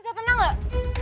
udah tenang gak